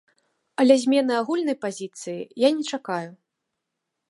Але змены агульнай пазіцыі я не чакаю.